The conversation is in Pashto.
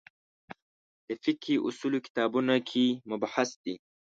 د فقهې اصولو کتابونو کې مبحث دی.